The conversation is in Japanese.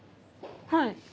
はい。